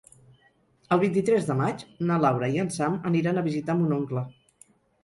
El vint-i-tres de maig na Laura i en Sam aniran a visitar mon oncle.